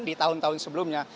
di tahun tahun sebelumnya